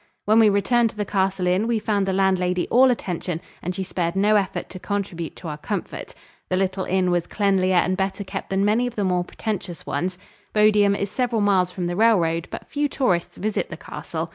When we returned to the Castle Inn, we found the landlady all attention and she spared no effort to contribute to our comfort. The little inn was cleanlier and better kept than many of the more pretentious ones. Bodiam is several miles from the railroad and but few tourists visit the castle.